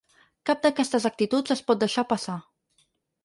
Cap d’aquestes actituds es pot deixar passar.